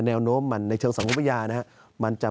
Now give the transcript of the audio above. แนวโน้มมันในเชิงสังคมพญานะครับ